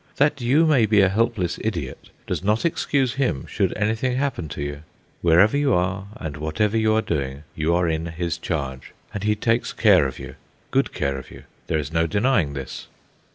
That you may be a helpless idiot does not excuse him should anything happen to you. Wherever you are and whatever you are doing you are in his charge, and he takes care of you good care of you; there is no denying this.